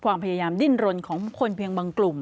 ความพยายามดิ้นรนของคนเพียงบางกลุ่ม